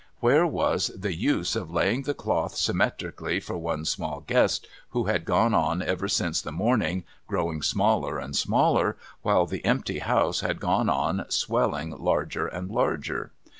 Where was the use of laying the cloth symmetrically for one small guest, who had gone on ever since the morning growing smaller and smaller, while the empty house had gone on swelling larger and larger